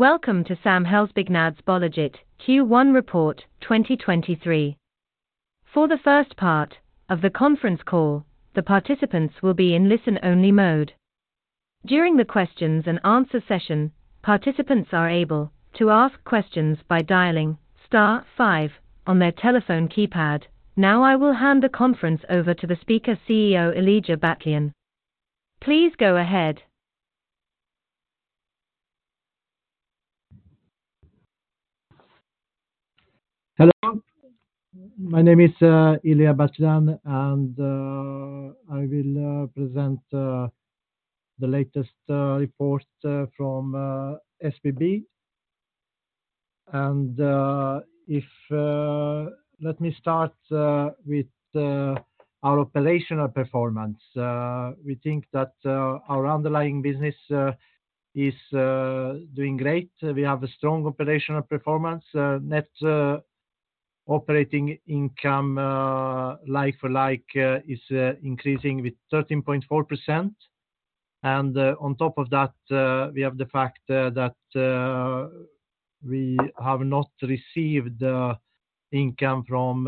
Welcome to Samhällsbyggnadsbolaget Q1 report 2023. For the first part of the conference call, the participants will be in listen-only mode. During the questions and answer session, participants are able to ask questions by dialing star five on their telephone keypad. Now I will hand the conference over to the speaker, CEO Ilija Batljan. Please go ahead. Hello. My name is Ilija Batljan, I will present the latest report from SBB. Let me start with our operational performance. We think that our underlying business is doing great. We have a strong operational performance. Net operating income like-for-like is increasing with 13.4%. On top of that, we have the fact that we have not received the income from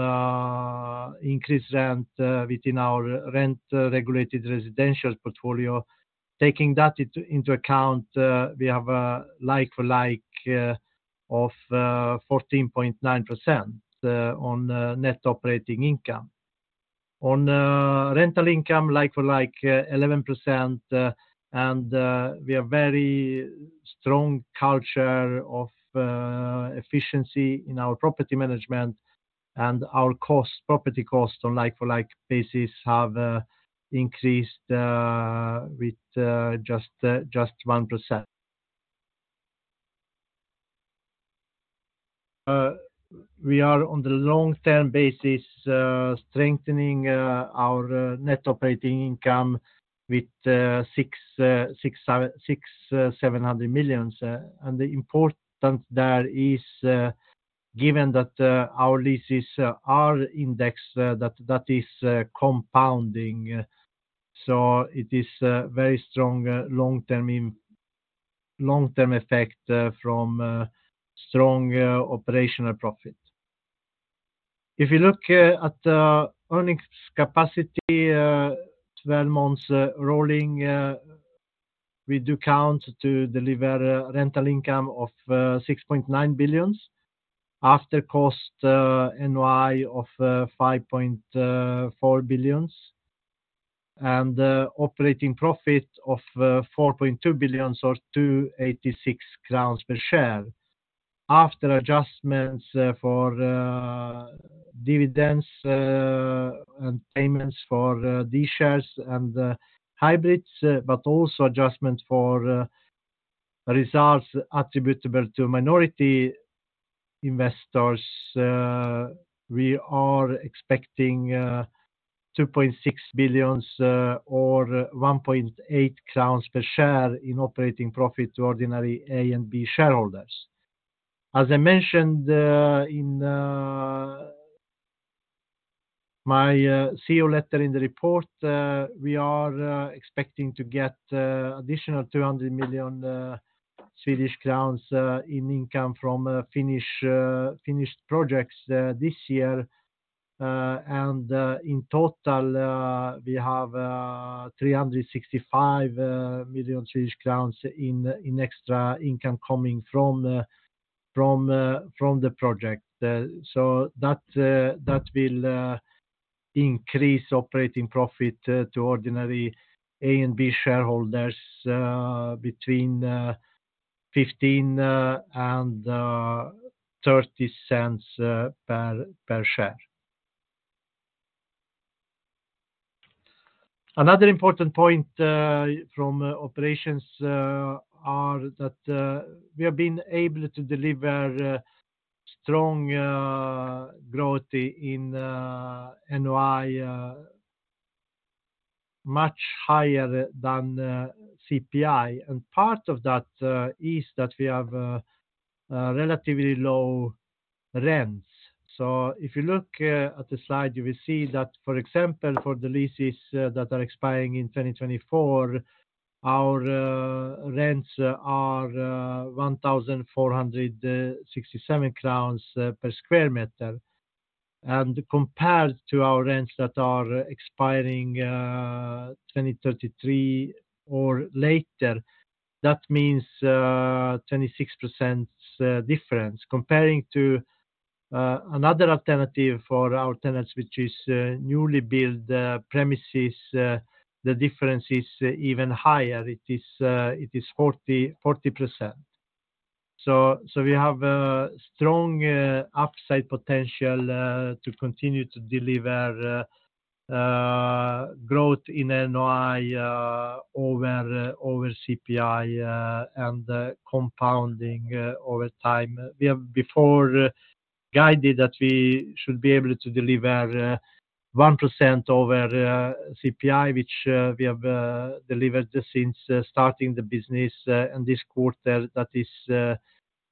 increased rent within our rent regulated residential portfolio. Taking that into account, we have a like-for-like of 14.9% on net operating income. On rental income, like-for-like, 11%, and we have very strong culture of efficiency in our property management and our costs, property costs on like-for-like basis have increased with just 1%. We are on the long-term basis, strengthening our net operating income with 600-700 million. The importance there is, given that our leases are indexed, that is compounding. It is a very strong long-term effect, from strong operational profit. If you look at earnings capacity, 12 months rolling, we do count to deliver rental income of 6.9 billion. After cost, NOI of 5.4 billion. Operating profit of 4.2 billion or 286 crowns per share. After adjustments for dividends and payments for these shares and hybrids, but also adjustments for results attributable to minority investors, we are expecting 2.6 billion or 1.8 crowns per share in operating profit to ordinary A and B shareholders. I mentioned in my CEO letter in the report, we are expecting to get additional SEK 200 million in income from finished projects this year. In total, we have 365 million Swedish crowns in extra income coming from the project. So that will increase operating profit to ordinary A and B shareholders between 0.15 and 0.30 per share. Another important point from operations are that we have been able to deliver strong growth in NOI much higher than CPI. Part of that is that we have a relatively low rents. If you look at the slide, you will see that, for example, for the leases that are expiring in 2024, our rents are 1,467 crowns per square meter. Compared to our rents that are expiring 2033 or later, that means 26% difference. Comparing to another alternative for our tenants, which is newly built premises, the difference is even higher. It is 40%. We have a strong upside potential to continue to deliver growth in NOI over CPI and compounding over time. We have before guided that we should be able to deliver 1% over CPI, which we have delivered since starting the business. This quarter that is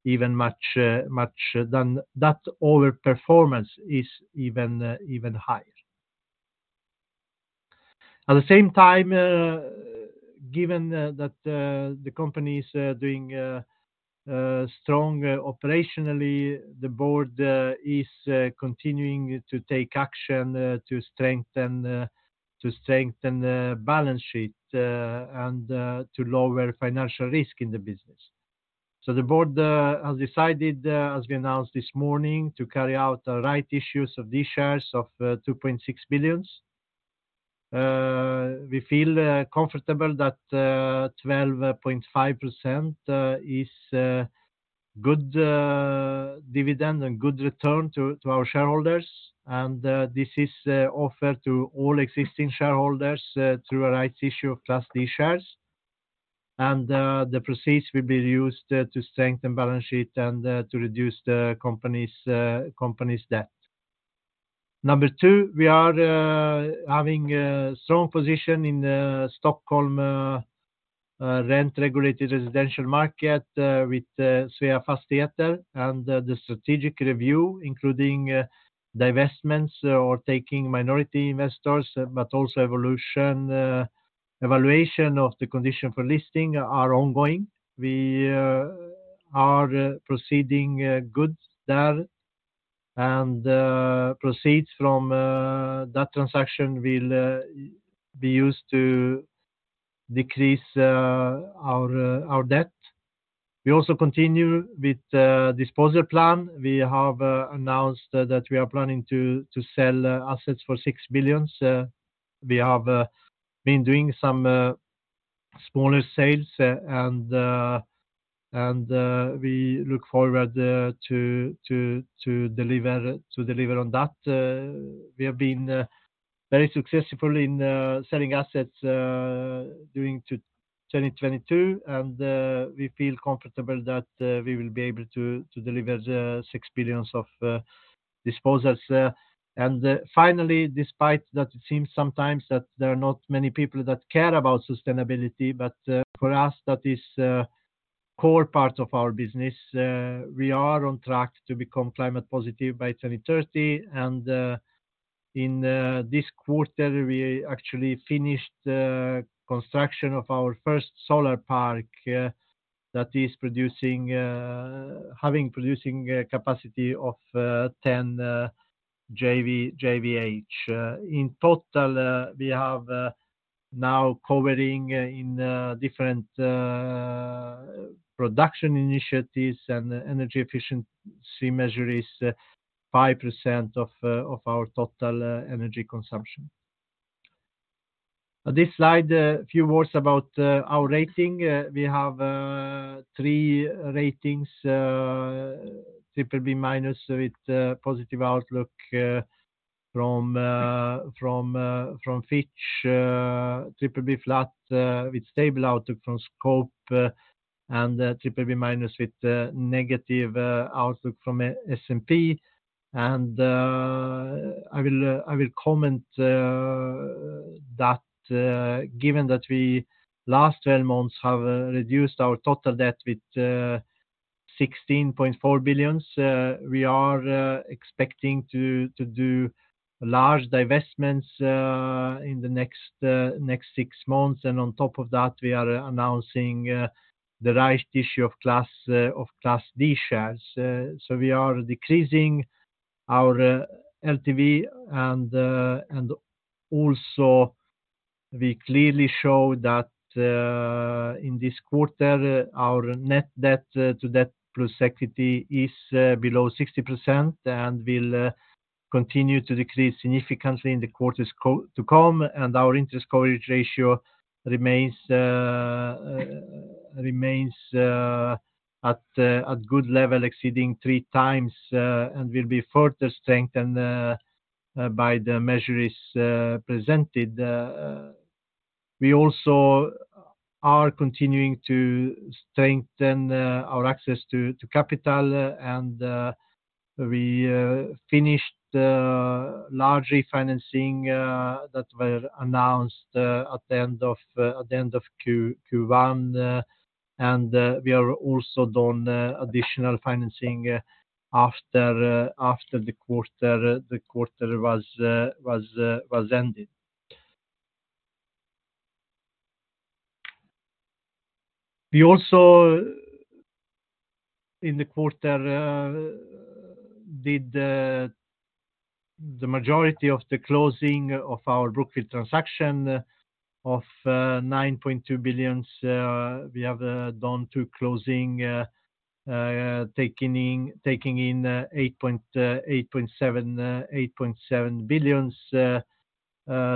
even much. That overperformance is even higher. At the same time, given that the company is doing strong operationally, the board is continuing to take action to strengthen the balance sheet and to lower financial risk in the business. The board has decided, as we announced this morning, to carry out the rights issues of these shares of 2.6 billion. We feel comfortable that 12.5% is good dividend and good return to our shareholders. This is offered to all existing shareholders through a rights issue of Class D shares. The proceeds will be used to strengthen balance sheet and to reduce the company's debt. Number two, we are having a strong position in the Stockholm rent-regulated residential market with Sveafastigheter and the strategic review, including divestments or taking minority investors, but also evaluation of the condition for listing are ongoing. We are proceeding good there. Proceeds from that transaction will be used to decrease our debt. We also continue with disposal plan. We have announced that we are planning to sell assets for 6 billion. We have been doing some smaller sales, and we look forward to deliver on that. We have been very successful in selling assets during 2022, and we feel comfortable that we will be able to deliver the 6 billion of disposals. Finally, despite that it seems sometimes that there are not many people that care about sustainability, but for us, that is a core part of our business. We are on track to become climate positive by 2030. In this quarter, we actually finished the construction of our first solar park that is producing having producing capacity of 10 GWh. In total, we have now covering in different production initiatives and energy efficiency measures, 5% of our total energy consumption. On this slide, a few words about our rating. We have three ratings. Triple B minus with a positive outlook from Fitch, triple B flat with stable outlook from Scope, and triple B minus with negative outlook from S&P. I will comment that given that we last 12 months have reduced our total debt with 16.4 billion, we are expecting to do large divestments in the next 6 months. On top of that, we are announcing the rights issue of Class D shares. We are decreasing our LTV and also we clearly show that in this quarter, our net debt to debt plus equity is below 60% and will continue to decrease significantly in the quarters to come. Our interest coverage ratio remains at good level, exceeding three times, and will be further strengthened by the measures presented. We also are continuing to strengthen our access to capital, and we finished large refinancing that were announced at the end of Q1. We are also done additional financing after the quarter, the quarter was ended. We also in the quarter did the majority of the closing of our Brookfield transaction of 9.2 billion. We have done two closing, taking in 8.7 billion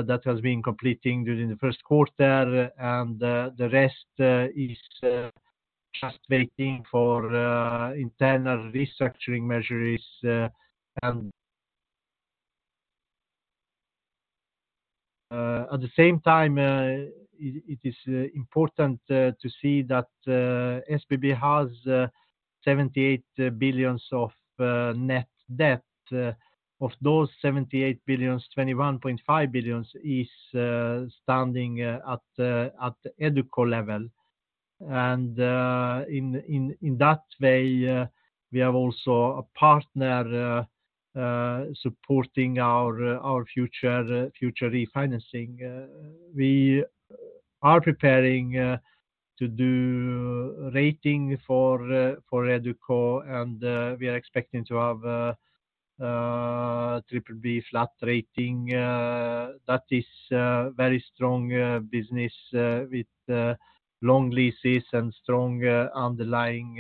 that has been completing during the first quarter. The rest is just waiting for internal restructuring measures. At the same time, it is important to see that SBB has 78 billion of net debt. Of those 78 billion, 21.5 billion is standing at the EduCo level. In that way, we have also a partner supporting our future refinancing. We are preparing to do rating for EduCo and we are expecting to have triple B flat rating. That is very strong business with long leases and strong underlying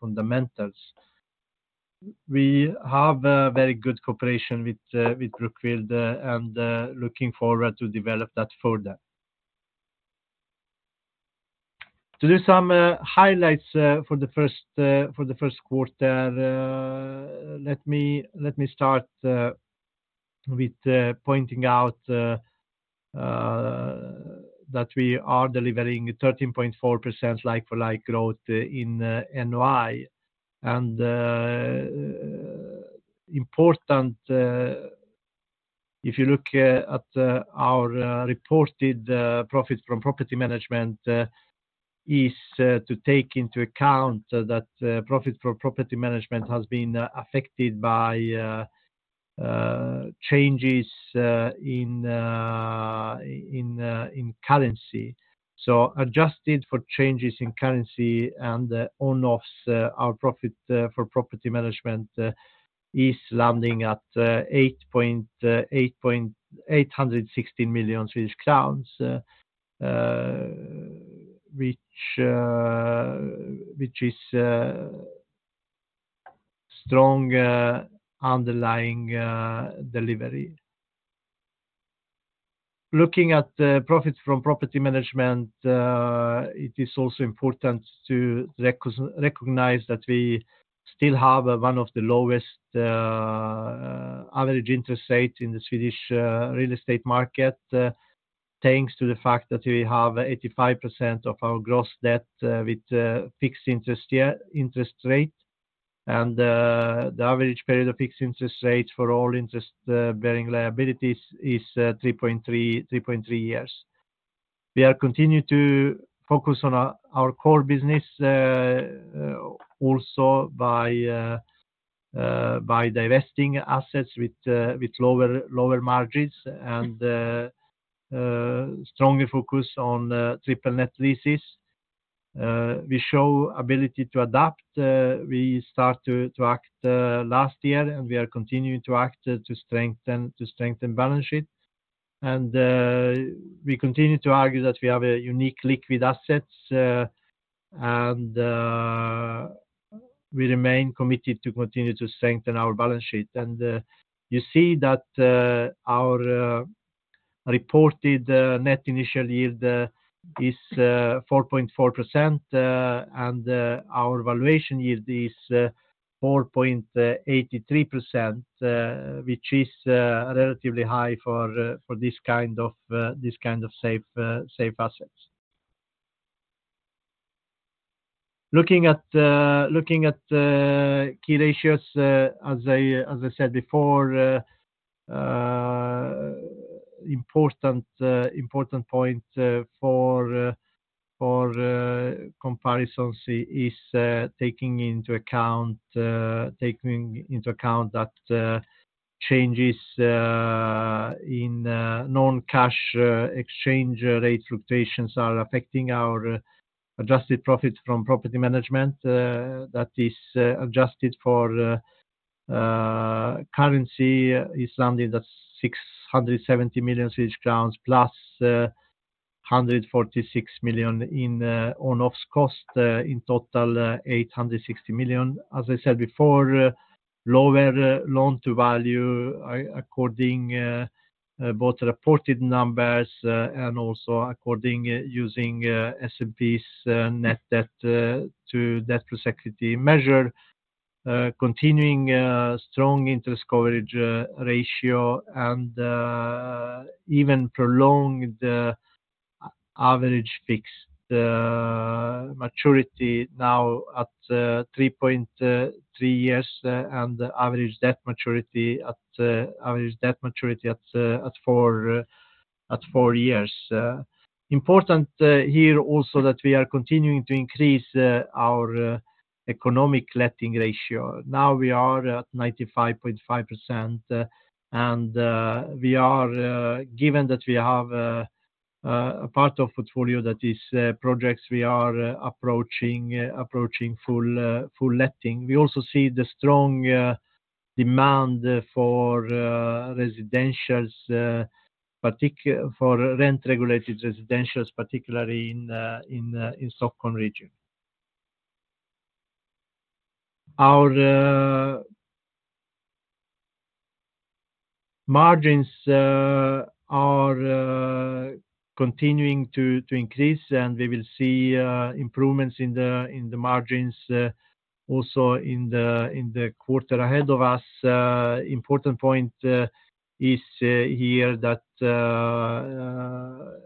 fundamentals. We have a very good cooperation with Brookfield and looking forward to develop that further. To do some highlights for the first quarter, let me start with pointing out that we are delivering 13.4% like-for-like growth in NOI. Important, if you look at our reported profits from property management, is to take into account that profit from property management has been affected by changes in currency. Adjusted for changes in currency and on-offs, our profit for property management is landing at SEK 860 million, which is strong underlying delivery. Looking at the profits from property management, it is also important to recognize that we still have one of the lowest average interest rate in the Swedish real estate market, thanks to the fact that we have 85% of our gross debt with fixed interest year, interest rate. The average period of fixed interest rate for all interest bearing liabilities is 3.3 years. We are continue to focus on our core business, also by divesting assets with lower margins and strongly focus on triple net leases. We show ability to adapt. We start to act last year, and we are continuing to act to strengthen balance sheet. We continue to argue that we have a unique liquid assets, and we remain committed to continue to strengthen our balance sheet. You see that our reported net initial yield is 4.4%, and our valuation yield is 4.83%, which is relatively high for this kind of safe assets. Looking at key ratios, as I said before, important point for comparisons is taking into account that changes in non-cash exchange rate fluctuations are affecting our adjusted profits from property management. That is adjusted for currency is landing at 670 million Swedish crowns plus 146 million in on-offs cost, in total 860 million. As I said before, lower loan to value according both reported numbers and also according using S&P's net debt to debt to security measure. Continuing, strong interest coverage ratio and even prolonged average fixed maturity now at 3.3 years, and average debt maturity at 4 years. Important here also that we are continuing to increase our economic letting ratio. Now we are at 95.5%, and we are, given that we have a part of portfolio that is projects, we are approaching full letting. We also see the strong demand for residentials, for rent-regulated residentials, particularly in the Stockholm region. Our margins are continuing to increase, and we will see improvements in the margins also in the quarter ahead of us. to correct and format a transcript excerpt. I need to apply the provided rules, including removing filler sounds, false starts, and stuttered repetitions, while maintaining word-for-word accuracy otherwise. I also need to convert numbers to numerals, apply currency formatting (inferring SEK as the primary currency for SBB Norden), and ensure correct punctuation and capitalization. Let's break down the original transcript: "Uh, important point, uh, is, uh, here that,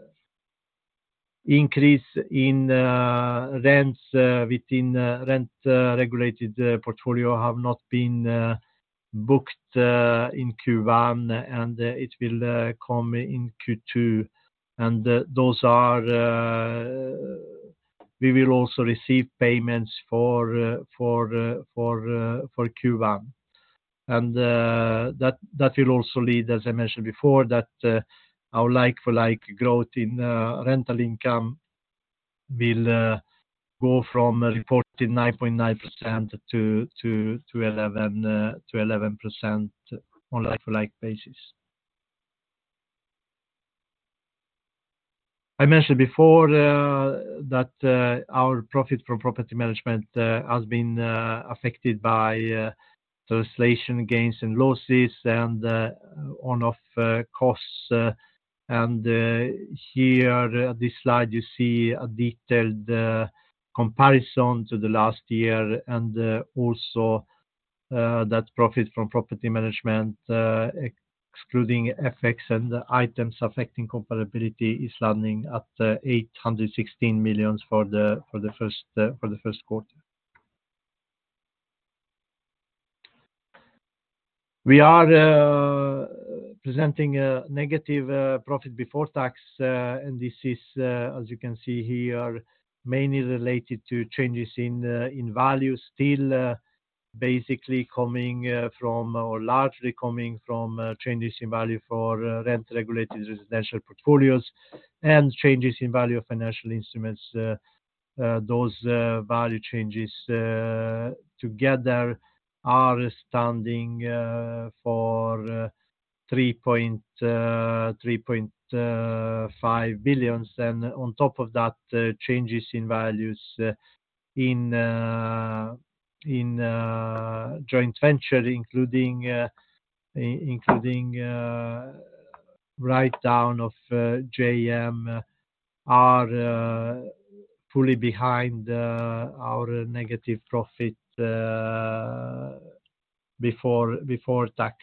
uh, increase in, uh, rents, uh, within rent-regulated portfolio have not been, uh-Booked, uh, in Q1 and, uh, it will, uh, come in Q2. And, uh, those are, uh, we will also receive payments for, uh, for, uh, for, uh, for Q1. And, uh, that will also lead, as I mentioned before, that, uh, our like-for-like growth in, uh, rental income will, uh, go from a reported nine point nine percent to, to eleven, uh, to eleven percent on like-for-like basis. I mentioned before, uh, that, uh, our profit from property management, uh, has been, uh, affected by, uh, translation gains and losses and, uh, one-off costs." Applying the rules: 1. **Remove filler sounds ("uh")**: * "Important point is here that increase in rents within rent-regulated portfolio have not been Booked in Q1 an Here at this slide you see a detailed comparison to the last year and also that profit from property management, excluding FX and items affecting comparability is landing at 816 million for the first quarter. We are presenting a negative profit before tax. This is, as you can see here, mainly related to changes in value still basically coming from or largely coming from changes in value for rent regulated residential portfolios and changes in value of financial instruments. Those value changes together are standing for 3.5 billion. On top of that, changes in values in joint venture including write down of JM are fully behind our negative profit before tax.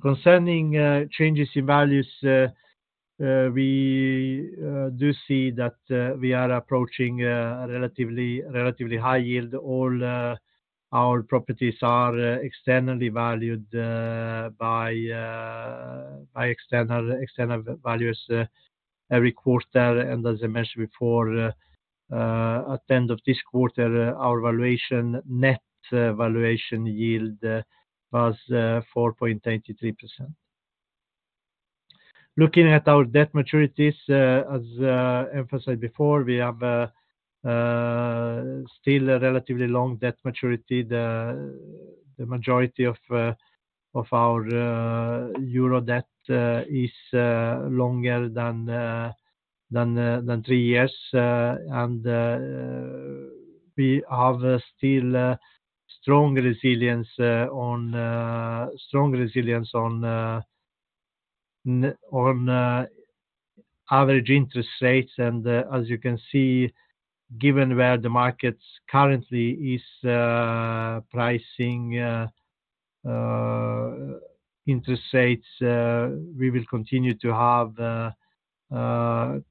Concerning changes in values, we do see that we are approaching a relatively high yield. All our properties are externally valued by external values every quarter. As I mentioned before, at end of this quarter, our valuation, net valuation yield was 4.83%. Looking at our debt maturities, as emphasized before, we have still a relatively long debt maturity. The majority of our euro debt is longer than three years. We have still strong resilience on average interest rates. As you can see, given where the markets currently is pricing interest rates, we will continue to have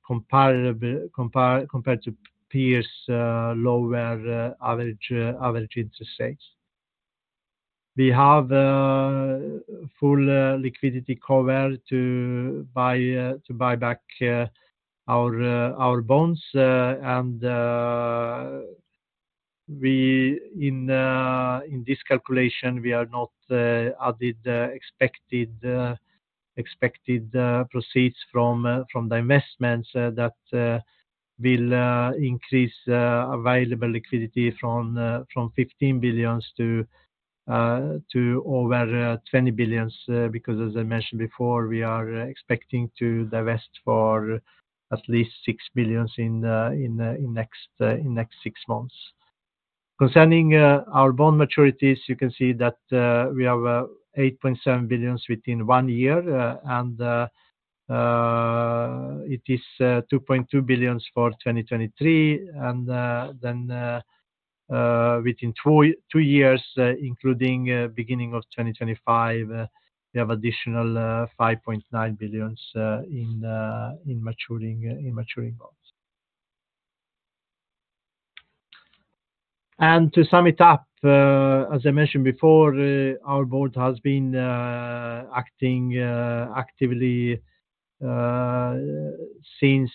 comparable compared to peers, lower average interest rates. We have full liquidity cover to buy back our bonds. We in this calculation, we are not added expected proceeds from the investments that will increase available liquidity from 15 billion to over 20 billion. As I mentioned before, we are expecting to divest for at least 6 billion in next 6 months. Concerning our bond maturities, you can see that we have 8.7 billion within one year. It is 2.2 billion for 2023. Then within two years, including beginning of 2025, we have additional 5.9 billion in maturing bonds. To sum it up, as I mentioned before, our board has been acting actively since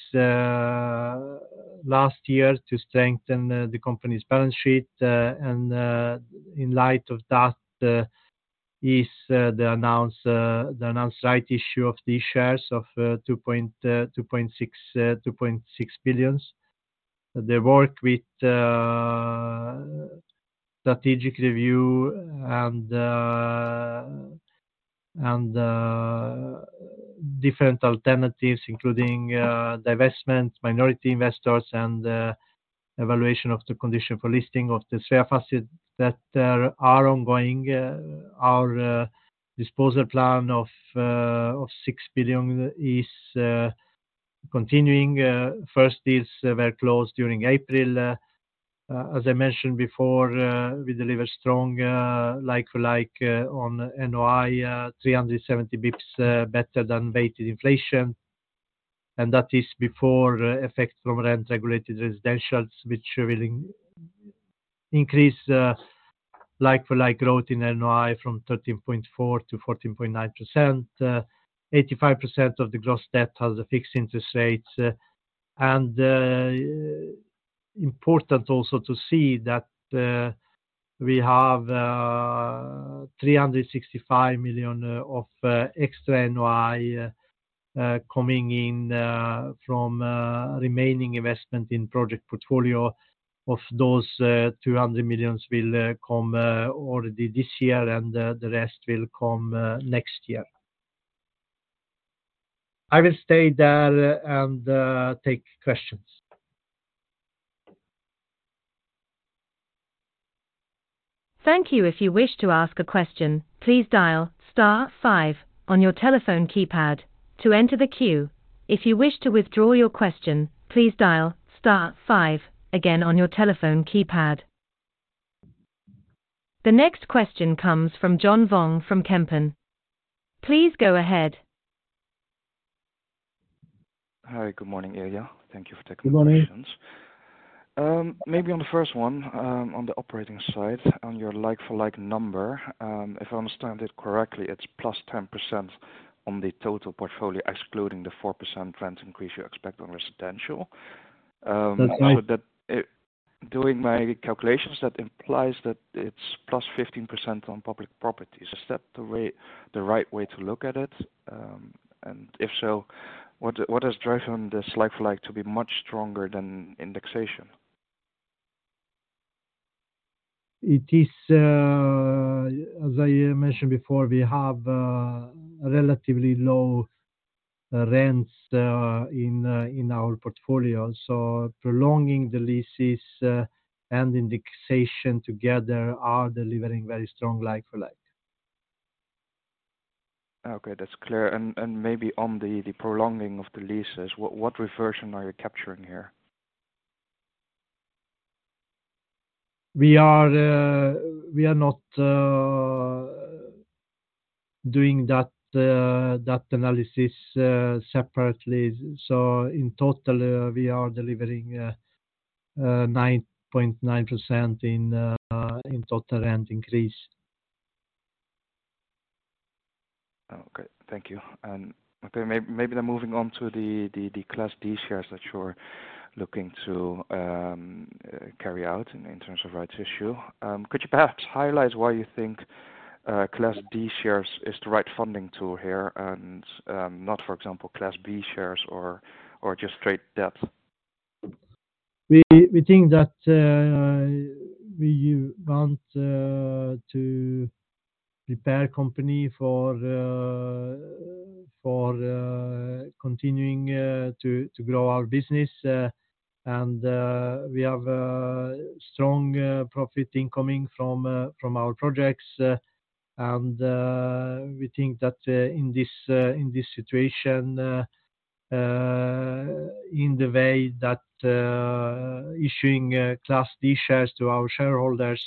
last year to strengthen the company's balance sheet. In light of that, is the announced rights issue of these shares of 2.6 billion. The work with strategic review and different alternatives including divestment, minority investors and evaluation of the condition for listing of the Sveafastigheter that are ongoing. Our disposal plan of 6 billion is continuing. First deals were closed during April. As I mentioned before, we deliver strong like-for-like on NOI, 370 basis points better than weighted inflation. That is before effects from rent regulated residentials, which will increase like-for-like growth in NOI from 13.4%-14.9%. 85% of the gross debt has a fixed interest rate. Important also to see that we have 365 million of extra NOI coming in from remaining investment in project portfolio. Of those, 200 millions will come already this year and the rest will come next year. I will stay there and take questions. Thank you. If you wish to ask a question, please dial star five on your telephone keypad to enter the queue. If you wish to withdraw your question, please dial star five again on your telephone keypad. The next question comes from John Vuong from Kempen. Please go ahead. Hi. Good morning, Ilija. Thank you for taking the questions. Good morning. Maybe on the first one, on the operating side on your like-for-like number, if I understand it correctly, it's plus 10% on the total portfolio, excluding the 4% rent increase you expect on residential. That's right. Doing my calculations, that implies that it's plus 15% on public properties. Is that the right way to look at it? If so, what is driving this like-for-like to be much stronger than indexation? It is, As I mentioned before, we have relatively low rents in our portfolio, so prolonging the leases and indexation together are delivering very strong like-for-like. Okay, that's clear. Maybe on the prolonging of the leases, what reversion are you capturing here? We are, we are not doing that analysis, separately. In total, we are delivering, 9.9% in total rent increase. Okay. Thank you. Okay, maybe then moving on to the Class D shares that you're looking to carry out in terms of rights issue. Could you perhaps highlight why you think Class D shares is the right funding tool here and not, for example, Class B shares or just straight debt? We think that we want to prepare company for for continuing to grow our business. We have a strong profit incoming from from our projects. We think that in this in this situation in the way that issuing Class D shares to our shareholders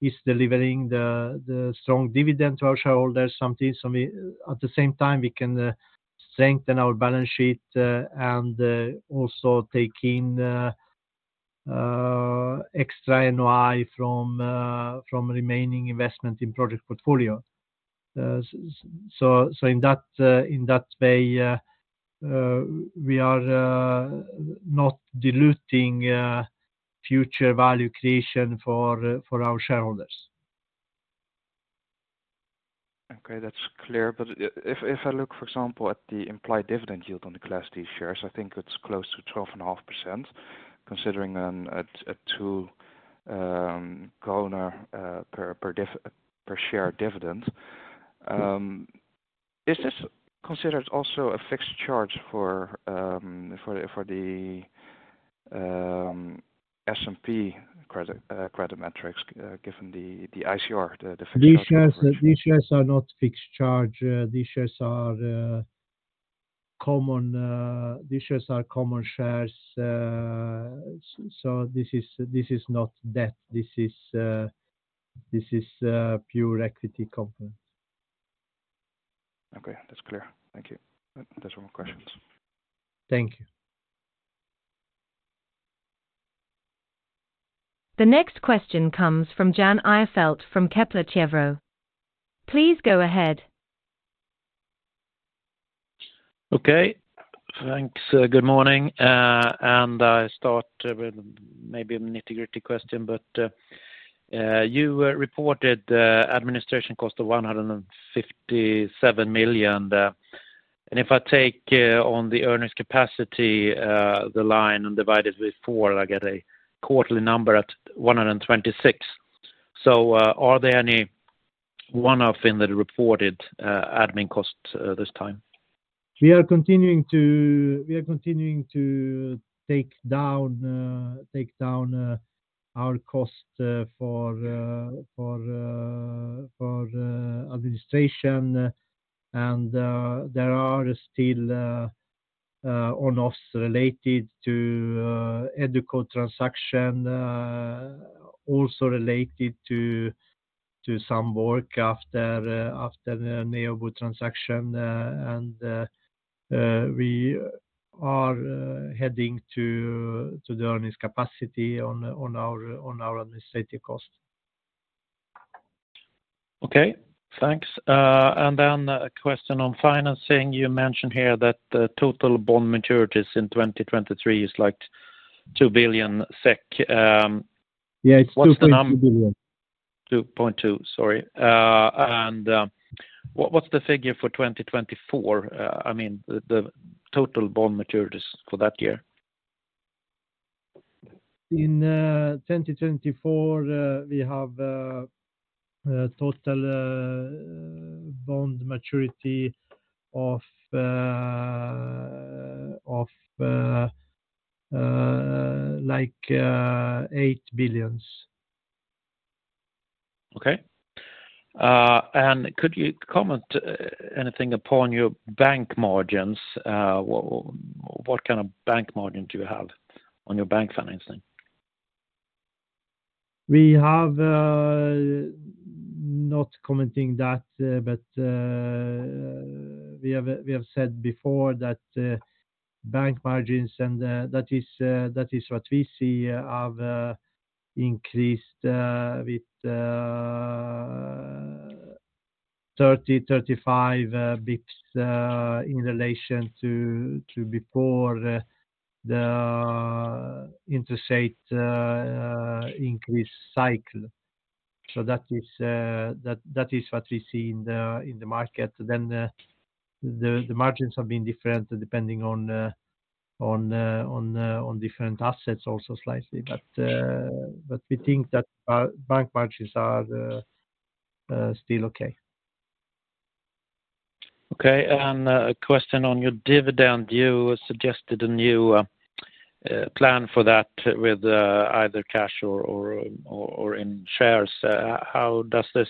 is delivering the strong dividend to our shareholders. At the same time, we can strengthen our balance sheet and also take in extra NOI from from remaining investment in project portfolio. In that in that way we are not diluting future value creation for our shareholders. Okay. That's clear. If I look, for example, at the implied dividend yield on the Class D shares, I think it's close to 12.5%, considering a 2 SEK per share dividend. Is this considered also a fixed charge for the S&P credit metrics, given the ICR, the fixed charge coverage ratio? These shares are not fixed charge. These shares are common shares. This is not debt. This is pure equity component. Okay. That's clear. Thank you. That's all my questions. Thank you. The next question comes from Jan Ihrfelt from Kepler Cheuvreux. Please go ahead. Okay. Thanks. Good morning. I start with maybe a nitty-gritty question. You reported administration cost of 157 million. If I take on the earnings capacity, the line and divide it with four, I get a quarterly number at 126. Are there any one-off in the reported admin costs this time? We are continuing to take down our cost for administration. There are still one-offs related to EduCo transaction. Also related to some work after the Neobo transaction. We are heading to the earnings capacity on our administrative cost. Okay, thanks. A question on financing. You mentioned here that the total bond maturities in 2023 is like 2 billion SEK. Yeah. It's 2.2 billion. What's the number? 2.2, sorry. What's the figure for 2024? I mean, the total bond maturities for that year. In 2024, we have a total bond maturity of like SEK 8 billion. Okay. Could you comment anything upon your bank margins? What kind of bank margin do you have on your bank financing? We have not commenting that, but we have said before that bank margins and that is what we see have increased with 30-35 bps in relation to before the interest rate increase cycle. That is what we see in the market. The margins have been different depending on different assets also slightly. We think that our bank margins are still okay. Okay. A question on your dividend. You suggested a new plan for that with either cash or in shares. How does this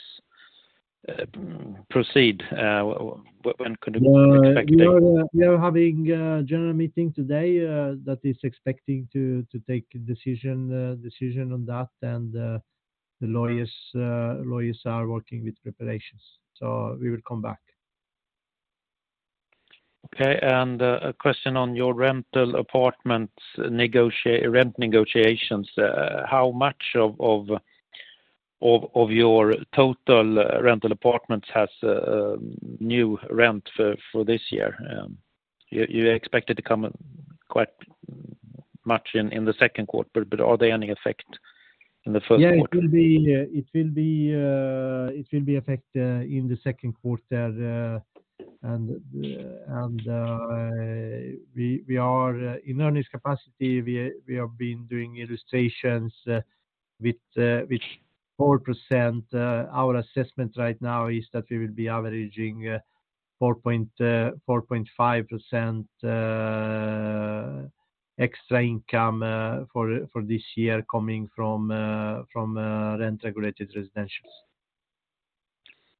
proceed? When could we be expecting-? We are having a general meeting today that is expecting to take decision on that. The lawyers are working with preparations. We will come back. Okay. A question on your rental apartment rent negotiations. How much of your total rental apartments has new rent for this year? You expected to come quite much in the second quarter, are there any effect in the first quarter? Yeah. It will be effect in the second quarter. We are in earnings capacity. We have been doing illustrations with 4%. Our assessment right now is that we will be averaging 4.5% extra income for this year coming from rent regulated residentials.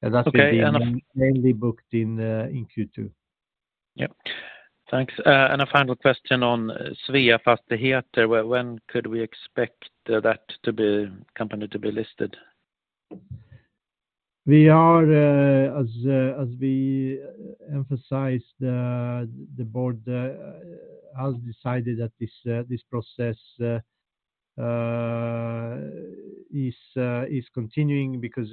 Okay. That will be mainly booked in Q2. Yeah. Thanks. And a final question on Sveafastigheter. When could we expect company to be listed? We are, as we emphasize, the board has decided that this process is continuing because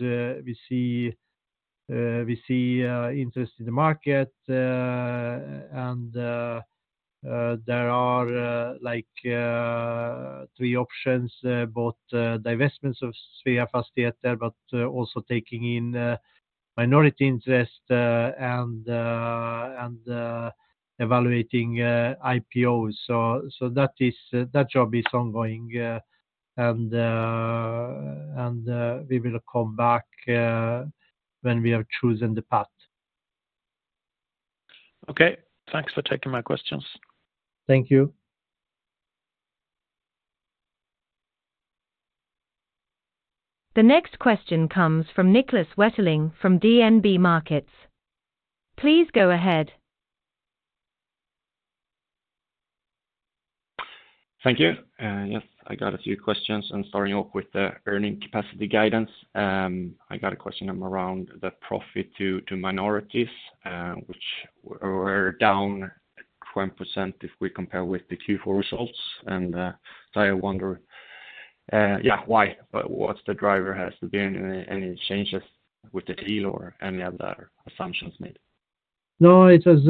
we see interest in the market. There are, like, three options, both divestments of Sveafastigheter but also taking in minority interest, and evaluating IPOs. That is, that job is ongoing. We will come back, when we have chosen the path. Okay. Thanks for taking my questions. Thank you. The next question comes from Niklas Wetterling from DNB Markets. Please go ahead. Thank you. Yes, I got a few questions. I'm starting off with the earning capacity guidance. I got a question around the profit to minorities, which were down at 20% if we compare with the Q4 results. I wonder, yeah, why? What's the driver? Has there been any changes with the deal or any other assumptions made? No, it is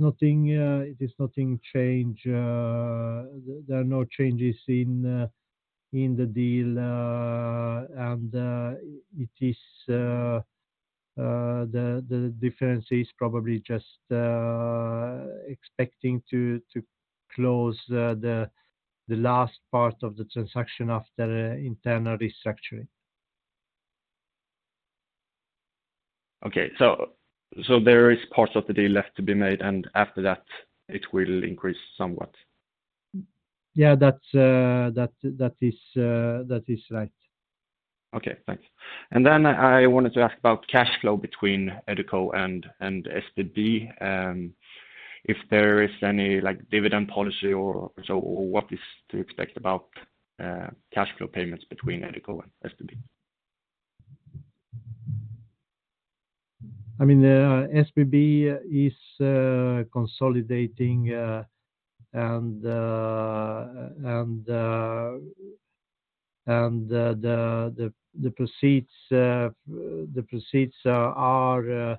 nothing change. There are no changes in the deal. It is the difference is probably just expecting to close the last part of the transaction after internal restructuring. Okay. There is parts of the deal left to be made, and after that it will increase somewhat. Yeah. That's, that is right. Okay, thanks. I wanted to ask about cash flow between EduCo and SBB. If there is any, like, dividend policy or so, or what is to expect about cash flow payments between EduCo and SBB? I mean, SBB is consolidating, and the proceeds are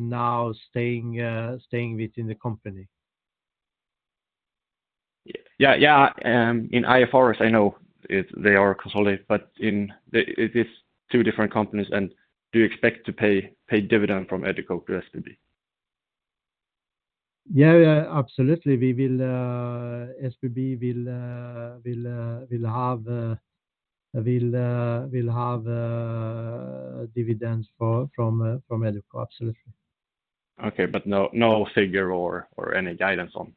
now staying within the company. Yeah. Yeah. In IFRS, I know they are consolidated, but it is two different companies. Do you expect to pay dividend from EduCo to SBB? Yeah, yeah. Absolutely. We will SBB will have dividends from from EduCo. Absolutely. Okay. No, no figure or any guidance on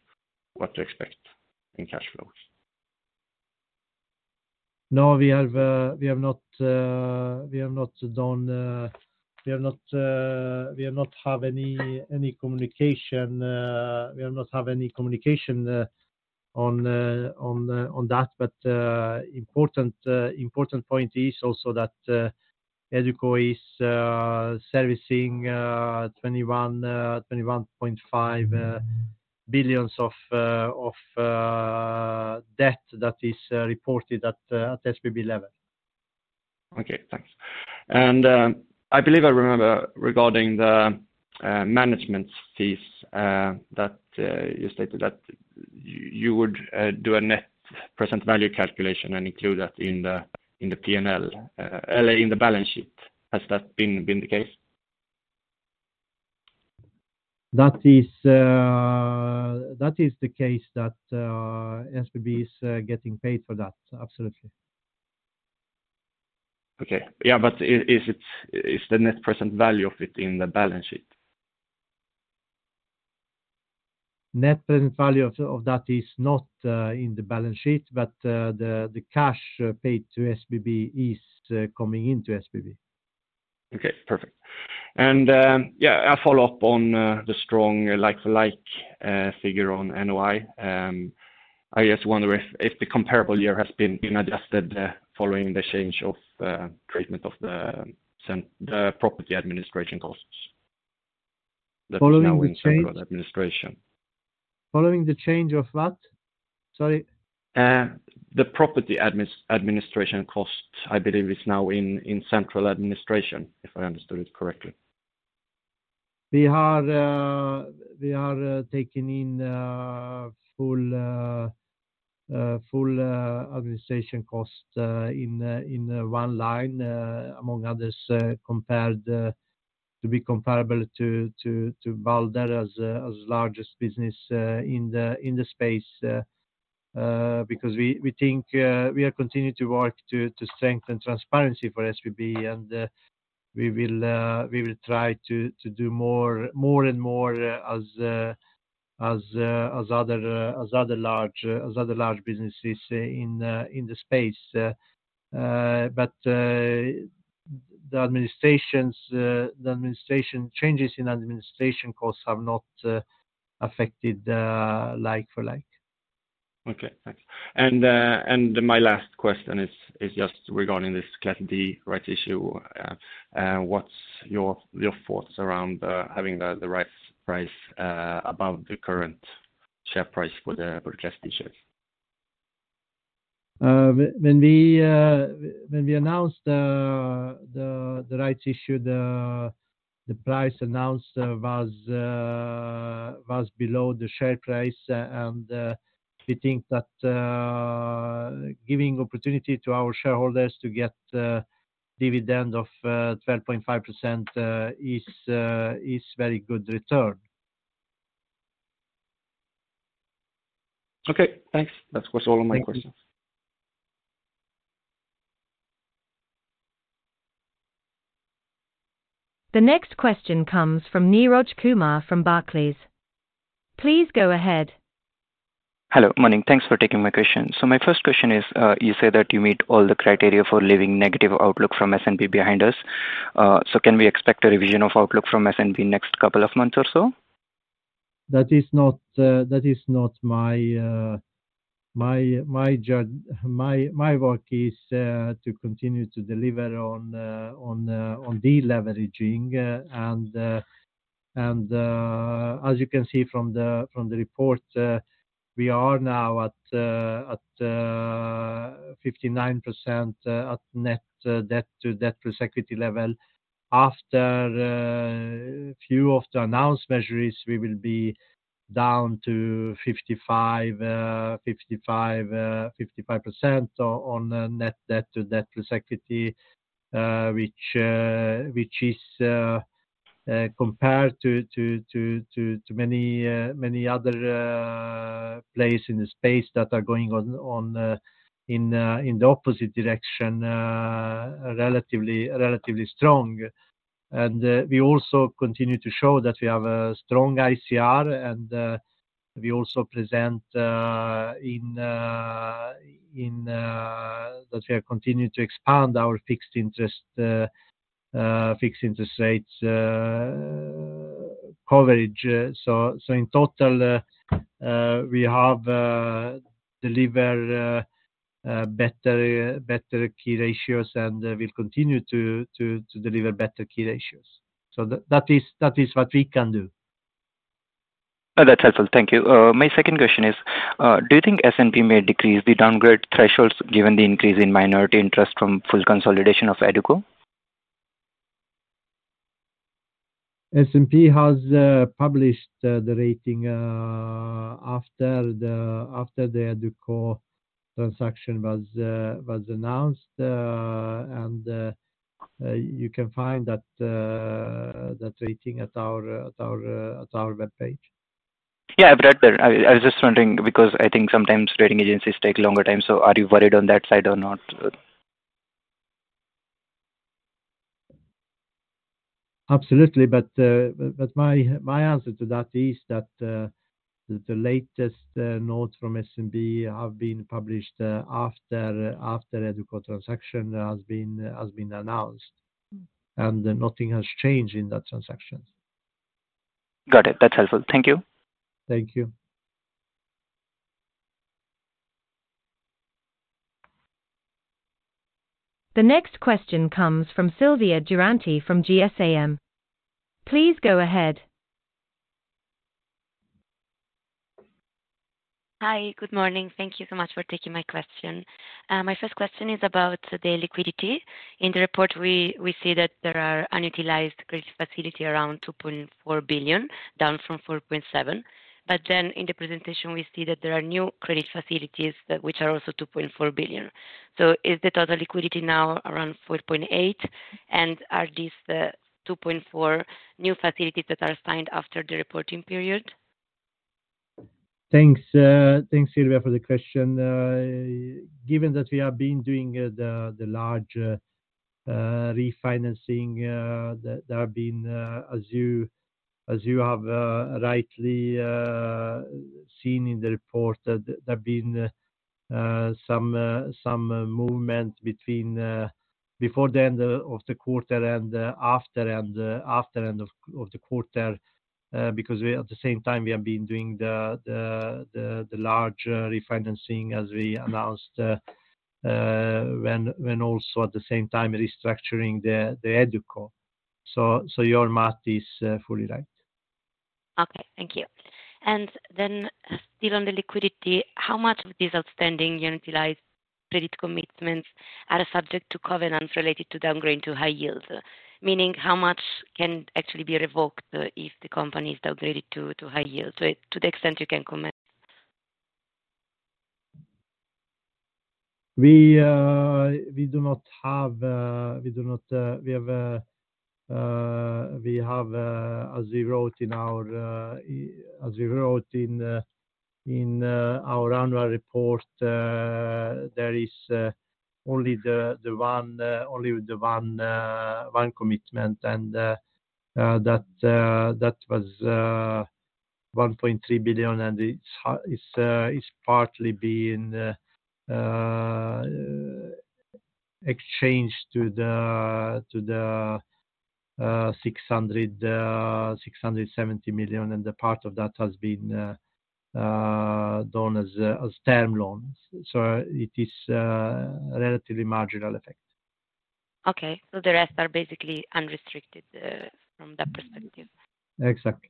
what to expect in cash flows? No. We have not done, we have not have any communication on that. Important point is also that EduCo is servicing 21.5 billion of debt that is reported at SBB level. Okay, thanks. I believe I remember regarding the management fees, that you stated that you would do a net present value calculation and include that in the P&L, in the balance sheet. Has that been the case? That is, that is the case that, SBB is getting paid for that. Absolutely. Okay. Yeah, is the net present value of it in the balance sheet? Net present value of that is not in the balance sheet, but the cash paid to SBB is coming into SBB. Okay, perfect. Yeah, a follow-up on the strong like-for-like figure on NOI. I just wonder if the comparable year has been adjusted following the change of treatment of the property administration costs that is now in central administration. Following the change of what? Sorry. The property administration costs, I believe, is now in central administration, if I understood it correctly. We are taking in full administration costs in one line among others compared to be comparable to Balder as largest business in the space. Because we think we are continuing to work to strengthen transparency for SBB, and we will try to do more and more as other large businesses in the space. The administration changes in administration costs have not affected the like-for-like. Okay, thanks. My last question is just regarding this Class D rights issue. What's your thoughts around having the right price above the current share price for the purchase D shares? When we announced the right issue, the price announced was below the share price. We think that giving opportunity to our shareholders to get dividend of 12.5%, is very good return. Okay, thanks. That was all of my questions. Thank you. The next question comes from Neeraj Kumar from Barclays. Please go ahead. Hello. Morning. Thanks for taking my question. My first question is, you say that you meet all the criteria for leaving negative outlook from S&P behind us. Can we expect a revision of outlook from S&P next couple of months or so? That is not, that is not My work is to continue to deliver on deleveraging. As you can see from the report, we are now at 59% at net debt-to-equity level. After few of the announced measures, we will be down to 55% on net debt to debt to equity. Which is compared to many other place in the space that are going in the opposite direction, relatively strong. We also continue to show that we have a strong ICR. We also present in that we are continuing to expand our fixed interest rates coverage. In total, we have deliver better key ratios and we'll continue to deliver better key ratios. That is what we can do. Oh, that's helpful. Thank you. My second question is, do you think S&P may decrease the downgrade thresholds given the increase in minority interest from full consolidation of EduCo? S&P has published the rating after the EduCo transaction was announced. You can find that rating at our web page. Yeah, I've read that. I was just wondering because I think sometimes rating agencies take longer time. Are you worried on that side or not? Absolutely. My answer to that is that the latest notes from S&P have been published after EduCo transaction has been announced. Nothing has changed in that transaction. Got it. That's helpful. Thank you. Thank you. The next question comes from Silvia Duranti from GSAM. Please go ahead. Hi. Good morning. Thank you so much for taking my question. My first question is about the liquidity. In the report we see that there are unutilized credit facility around 2.4 billion, down from 4.7 billion. In the presentation we see that there are new credit facilities that are also 2.4 billion. Is the total liquidity now around 4.8 billion? Are these the 2.4 billion new facilities that are signed after the reporting period? Thanks, thanks Silvia for the question. Given that we have been doing the large refinancing, there have been, as you have rightly seen in the report, that there have been some movement between before the end of the quarter and after end of the quarter. At the same time, we have been doing the large refinancing as we announced, when also at the same time restructuring the EduCo. Your math is fully right. Okay, thank you. Still on the liquidity, how much of these outstanding unutilized credit commitments are subject to covenants related to downgrading to high yields? Meaning, how much can actually be revoked, if the company is downgraded to high yields? To the extent you can comment. We do not have, we do not, we have, as we wrote in our annual report, there is only the one commitment. That was 1.3 billion, and it's partly been exchanged to the 670 million, and the part of that has been done as term loans. It is a relatively marginal effect. Okay. The rest are basically unrestricted, from that perspective. Exactly.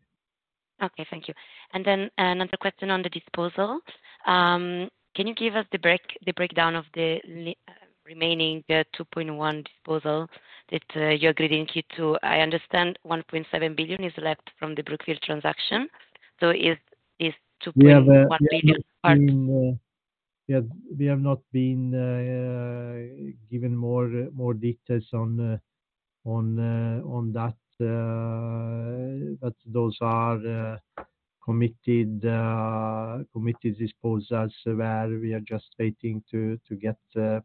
Okay. Thank you. Another question on the disposal. Can you give us the breakdown of the remaining 2.1 billion disposal that you're guiding Q2? I understand 1.7 billion is left from the Brookfield transaction. Is 2.1 billion? We have not been given more details on, on that. Those are committed disposals where we are just waiting to get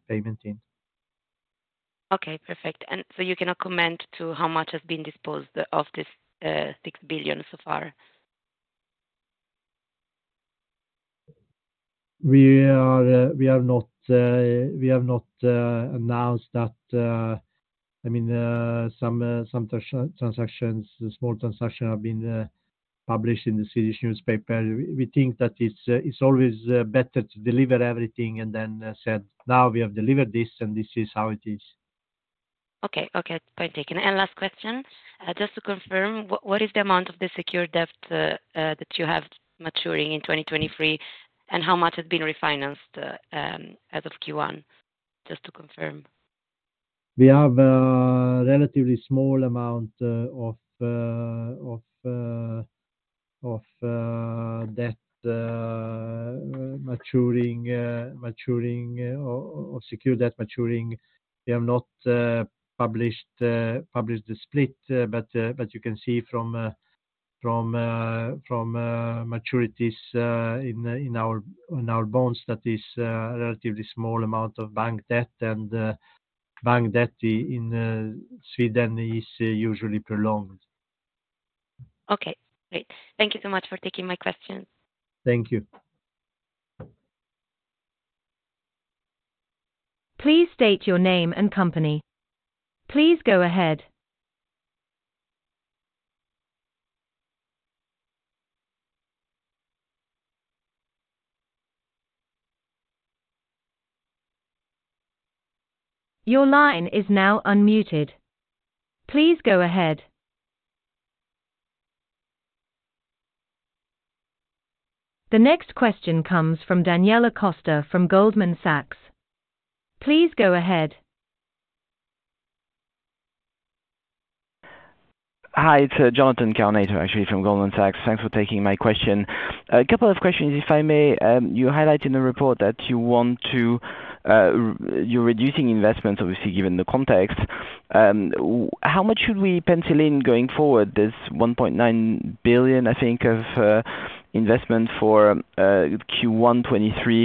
payment in. Okay. Perfect. You cannot comment to how much has been disposed of this, 6 billion so far? We have not announced that, I mean, some small transactions have been published in the Swedish newspaper. We think that it's always better to deliver everything and then say, "Now we have delivered this, and this is how it is. Okay. Okay. Point taken. Last question. Just to confirm, what is the amount of the secure debt that you have maturing in 2023? How much has been refinanced as of Q1? Just to confirm. We have a relatively small amount of debt maturing or secure debt maturing. We have not published the split. You can see from maturities in our bonds that is a relatively small amount of bank debt. Bank debt in Sweden is usually prolonged. Okay, great. Thank you so much for taking my questions. Thank you. Please state your name and company. Please go ahead. Your line is now unmuted. Please go ahead. The next question comes from Daniela Costa from Goldman Sachs. Please go ahead. Hi, it's Jonathan Kownator actually from Goldman Sachs. Thanks for taking my question. A couple of questions, if I may. You highlight in the report that you want to, you're reducing investments, obviously, given the context. How much should we pencil in going forward? There's 1.9 billion, I think, of investment for Q1 2023.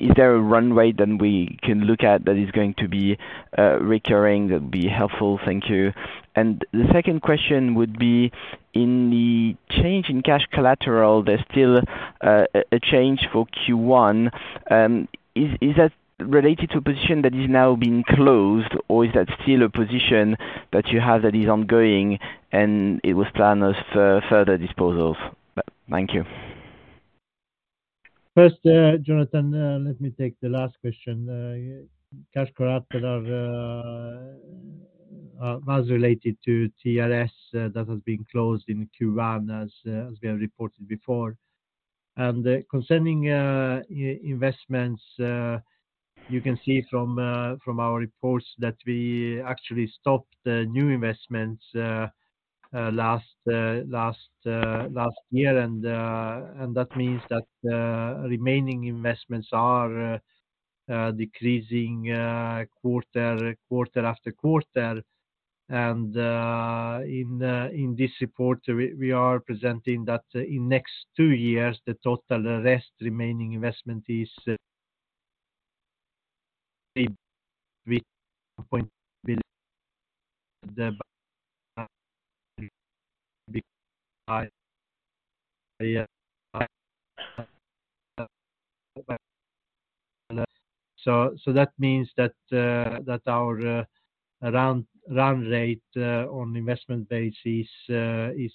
Is there a run rate that we can look at that is going to be recurring that'd be helpful? Thank you. The second question would be in the change in cash collateral, there's still a change for Q1. Is that related to a position that is now being closed or is that still a position that you have that is ongoing and it was planned as further disposals? Thank you. First, Jonathan, let me take the last question. Cash collateral was related to TRS that has been closed in Q1 as we have reported before. Concerning investments, you can see from our reports that we actually stopped the new investments last year. That means that remaining investments are decreasing quarter after quarter. In this report, we are presenting that in next two years, the total rest remaining investment is... That means that our run rate on investment basis is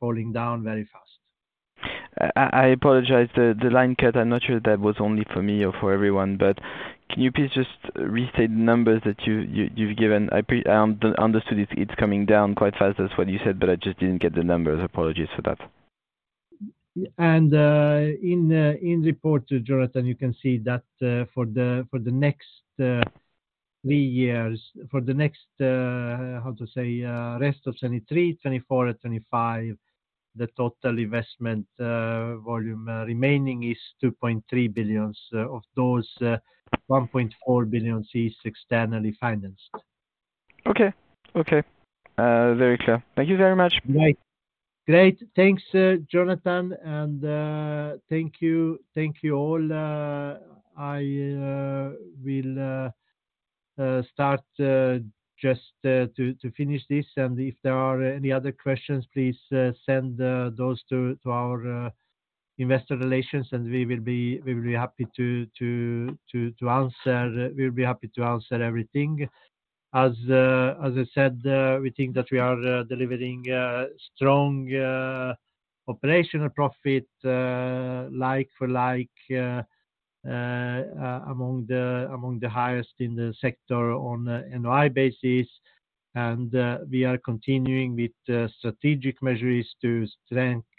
falling down very fast. I apologize. The line cut. I'm not sure if that was only for me or for everyone. Can you please just restate the numbers that you've given? I understood it's coming down quite fast. That's what you said, but I just didn't get the numbers. Apologies for that. In report, Jonathan, you can see that for the next 3 years. For the next, how to say, rest of 2023, 2024, and 2025, the total investment volume remaining is 2.3 billion. Of those, 1.4 billion is externally financed. Okay. Okay. Very clear. Thank you very much. Great. Thanks, Jonathan. Thank you. Thank you all. I will start just to finish this. If there are any other questions, please send those to our investor relations, and we will be happy to answer. We'll be happy to answer everything. As I said, we think that we are delivering strong operational profit, like-for-like among the highest in the sector on a NOI basis. We are continuing with the strategic measures to strengthen.